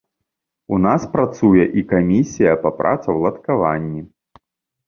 У нас працуе і камісія па працаўладкаванні.